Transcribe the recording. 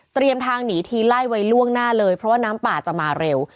ทางหนีทีไล่ไว้ล่วงหน้าเลยเพราะว่าน้ำป่าจะมาเร็ว